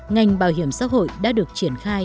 ngành bảo hiểm xã hội đã được triển khai